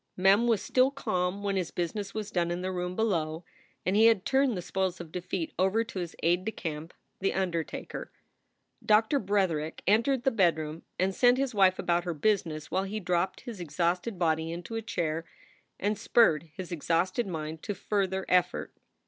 Mem was still calm when his business was done in the room below and he had turned the spoils of defeat over to his aide de camp, the undertaker. Doctor Bretherick entered the bedroom and sent his wife about her business while he dropped his exhausted body into a chair and spurred his exhausted mind to further effort.